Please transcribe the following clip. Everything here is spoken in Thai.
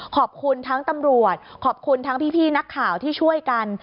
ขอบคุณทั้งตำรวจขอบคุณทั้งพี่นักข่าวที่ช่วยกัน